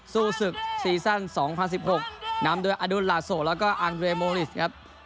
สู้ศึกซีซั่น๒๐๑๖นำโดยอดุลลาโซแล้วก็อังเรโมลิสครับ